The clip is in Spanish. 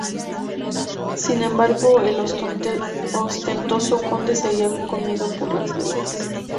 Sin embargo el ostentoso Conde seguía comido por las deudas.